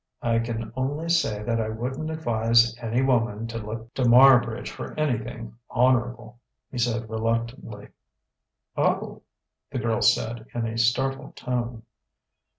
"I can only say that I wouldn't advise any woman to look to Marbridge for anything honourable," he said reluctantly. "Oh!" the girl said in a startled tone.